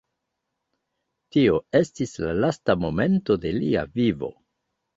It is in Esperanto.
Tio estis la lasta momento de lia vivo.